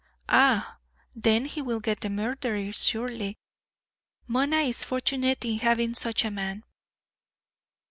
"Ah, then he will get the murderer surely. Mona is fortunate in having such a man."